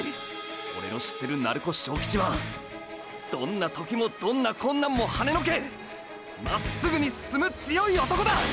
オレの知ってる鳴子章吉はどんな時もどんな困難もはねのけまっすぐに進む強い男だ！！